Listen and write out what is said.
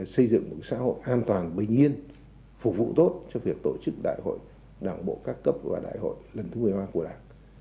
xây dựng một xã hội an toàn bình yên phục vụ tốt cho việc tổ chức đại hội đảng bộ các cấp và đại hội lần thứ một mươi ba của đảng